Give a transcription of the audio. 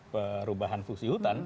perubahan fungsi hutan